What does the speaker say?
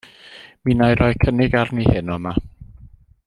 Mi 'nai roi cynnig arni heno 'ma.